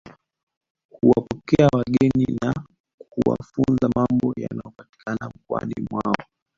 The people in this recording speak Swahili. Huwapokea wageni na kuwafunza mambo yanayopatikana mkoani mwao